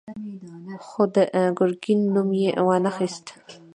خو د ګرګين نوم يې وانه خيست.